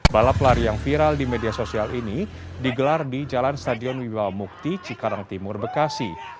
balap lari yang viral di media sosial ini digelar di jalan stadion wibawa mukti cikarang timur bekasi